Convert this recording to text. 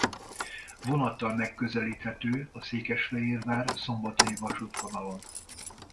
Vonattal megközelíthető a Székesfehérvár–Szombathely-vasútvonalon.